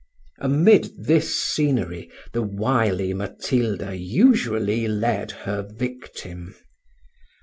Amid this scenery the wily Matilda usually led her victim.